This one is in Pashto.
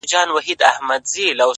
• نور یې هېر سو چل د ځان د مړولو ,